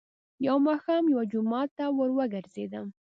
. يو ماښام يوه جومات ته ور وګرځېدم،